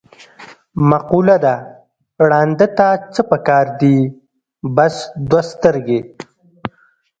مقوله ده: ړانده ته څه په کار دي، بس دوه سترګې.